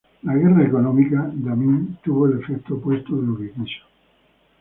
La "Guerra Económica" de Amin tuvo el efecto opuesto de lo que quiso.